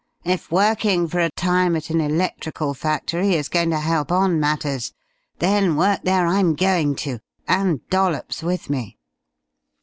If working for a time at an electrical factory is going to help on matters, then work there I'm going to, and Dollops with me....